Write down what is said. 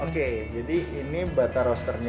oke jadi ini bata rosternya